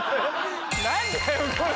何だよこれ。